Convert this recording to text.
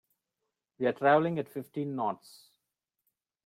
We are travelling at fifteen knots.